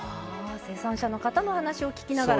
生産者の方の話を聞きながら。